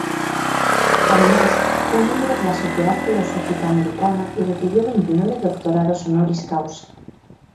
Además fue miembro de la Sociedad Filosófica Americana y recibió veintinueve doctorados honoris causa.